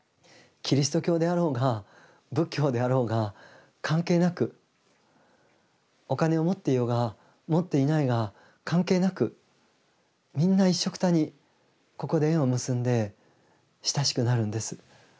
キリスト教であろうが仏教であろうが関係なくお金を持っていようが持っていまいが関係なくみんないっしょくたにここで縁を結んで親しくなるんです。